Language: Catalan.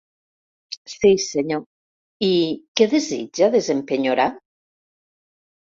Sí, senyor, i què desitja desempenyorar?